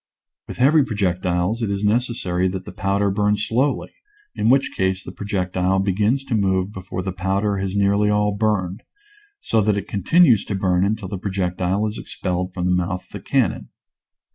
With heavy projectiles it is necessary that the powder burn slowly, in which case the projectile begins to move be fore the powder has nearly all burned, so that it continues to burn until the projectile is ex pelled from the mouth of the cannon.